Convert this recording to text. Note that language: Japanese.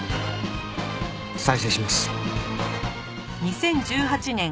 再生します。